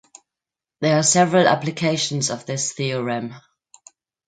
There are several applications of this theorem.